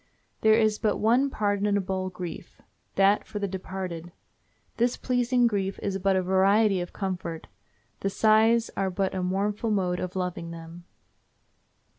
There is but one pardonable grief—that for the departed. This pleasing grief is but a variety of comfort, the sighs are but a mournful mode of loving them.